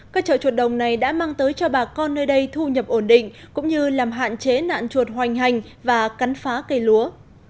các chợ chuột đồng này đã mang tới cho bà con nơi đây thu nhập ổn định cũng như làm hạn chế nạn chuột hoành hành và cắn phá cây lúa